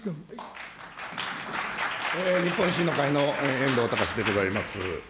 日本維新の会の遠藤敬でございます。